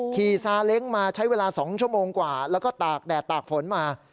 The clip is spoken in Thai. ซาเล้งมาใช้เวลา๒ชั่วโมงกว่าแล้วก็ตากแดดตากฝนมา